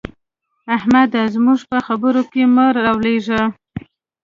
احمده! زموږ په خبرو کې مه رالوېږه.